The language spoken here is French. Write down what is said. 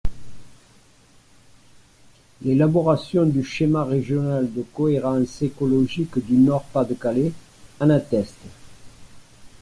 L’élaboration du schéma régional de cohérence écologique du Nord-Pas-de-Calais en atteste.